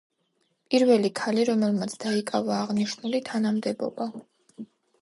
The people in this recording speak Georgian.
პირველი ქალი, რომელმაც დაიკავა აღნიშნული თანამდებობა.